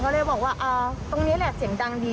คุณพ่อคุณว่าไง